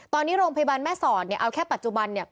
ตอนนี้โรงพยาบาลแม่ศรเอาแค่ปัจจุบัน